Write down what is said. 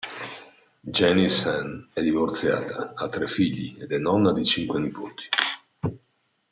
Janice Hahn è divorziata, ha tre figli ed è nonna di cinque nipoti.